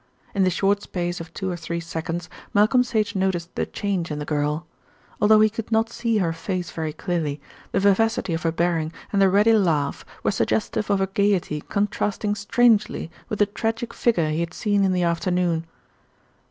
In the short space of two or three seconds Malcolm Sage noticed the change in the girl. Although he could not see her face very clearly, the vivacity of her bearing and the ready laugh were suggestive of a gaiety contrasting strangely with the tragic figure he had seen in the afternoon.